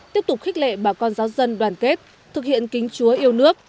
tiếp tục khích lệ bà con giáo dân đoàn kết thực hiện kính chúa yêu nước